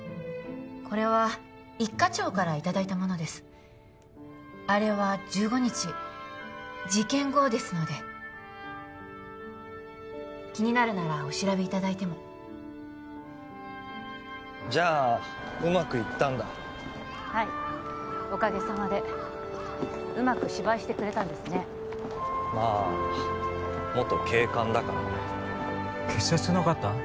これは一課長からいただいたものですあれは１５日事件後ですので気になるならお調べいただいてもじゃあうまくいったんだはいおかげさまでうまく芝居してくれたんですねまあ元警官だからね警察の方？